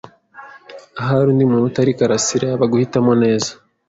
Ahari undi muntu utari Karasirayaba guhitamo neza.